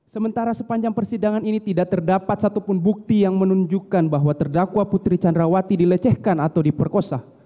sementara sepanjang persidangan ini tidak terdapat satupun bukti yang menunjukkan bahwa terdakwa putri candrawati dilecehkan atau diperkosa